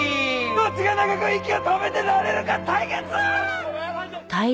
どっちが長く息を止めてられるか対決！